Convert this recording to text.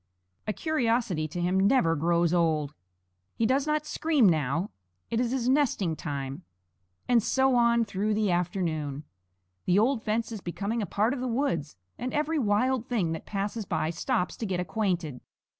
A curiosity to him never grows old. He does not scream now; it is his nesting time. And so on through the afternoon. The old fence is becoming a part of the woods; and every wild thing that passes by stops to get acquainted.